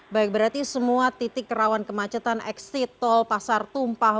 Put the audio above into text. baik berarti semua titik rawan kemacetan exit tol pasar tumpah